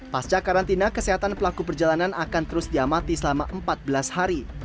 pasca karantina kesehatan pelaku perjalanan akan terus diamati selama empat belas hari